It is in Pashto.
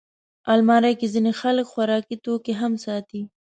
الماري کې ځینې خلک خوراکي توکي هم ساتي